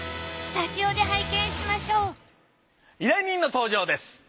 スタジオで拝見しましょう依頼人の登場です。